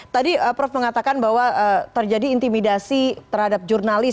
tadi prof mengatakan bahwa terjadi intimidasi terhadap jurnalis